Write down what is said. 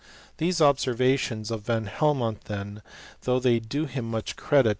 These observations of Van Hel mont, then, though they do him much credit,^ and •.